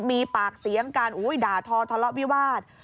มีปากเสียงกันด่าทอทะเลาะวิวาส